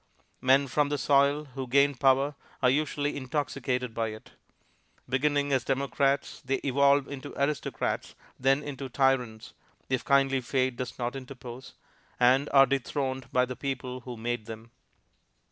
Men from the soil who gain power are usually intoxicated by it; beginning as democrats they evolve into aristocrats, then into tyrants, if kindly Fate does not interpose, and are dethroned by the people who made them.